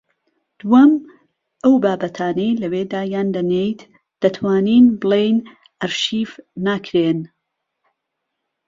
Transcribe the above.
دووەم: ئەو بابەتانەی لەوێ دایان دەنێیت دەتوانین بڵێین ئەرشیف ناکرێن